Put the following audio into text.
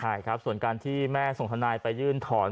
ใช่ครับส่วนการที่แม่ส่งทนายไปยื่นถอน